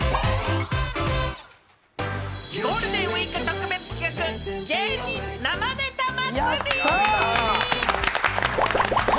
ゴールデンウイーク特別企画、芸人生ネタ祭。